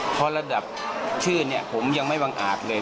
เพราะระดับชื่อเนี่ยผมยังไม่วางอาจเลย